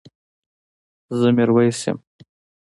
زه ميرويس يم